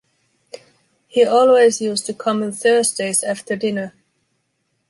He always used to come on Thursdays after dinner.